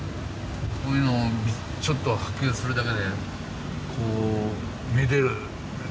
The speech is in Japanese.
こういうのちょっと発見するだけでこうめでるもの。